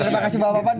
terima kasih pak bapak